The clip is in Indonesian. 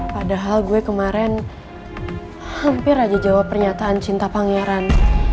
padahal gue kemarin hampir aja jawab pernyataan cinta pangeran